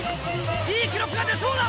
いい記録が出そうだ！